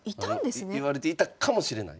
いわれていたかもしれない。